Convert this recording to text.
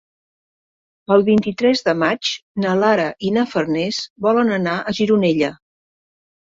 El vint-i-tres de maig na Lara i na Farners volen anar a Gironella.